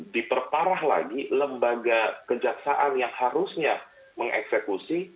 diperparah lagi lembaga kejaksaan yang harusnya mengeksekusi